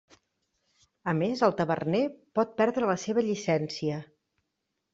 A més, el taverner pot perdre la seva llicència.